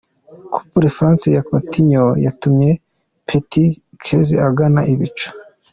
Coup Franc ya Coutinho yatumye Petr Czech agana ibicu .